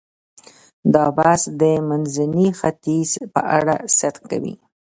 دا بحث د منځني ختیځ په اړه صدق کوي.